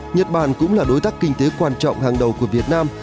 nhật bản cũng là đối tác kinh tế quan trọng hàng đầu của việt nam